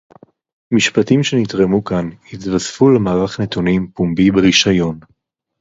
משפטים שנתרמו כאן יתווספו למערך נתונים פומבי ברישיון.